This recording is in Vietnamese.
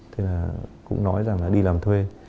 thế là cũng nói rằng là đi làm thuê